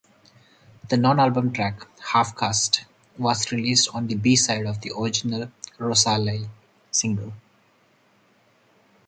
The non-album track "Half-Caste" was released on the B-Side of the original "Rosalie" single.